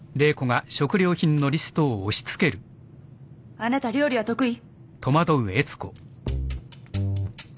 あなた料理は得意？